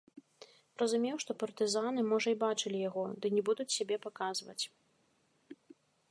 Разумеў, што партызаны, можа, і бачылі яго, ды не будуць сябе паказваць.